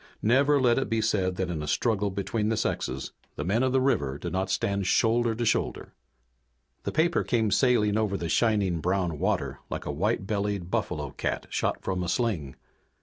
Never let it be said that in a struggle between the sexes the men of the river did not stand shoulder to shoulder. The paper came sailing over the shining brown water like a white bellied buffalo cat shot from a sling.